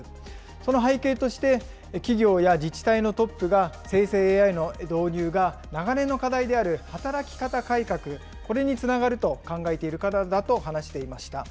その背景として、企業や自治体のトップが、生成ＡＩの導入が長年の課題である働き方改革、これにつながると考えているからだと話していました。